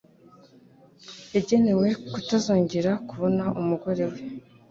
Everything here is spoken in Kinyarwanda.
Yagenewe kutazongera kubona umugore we.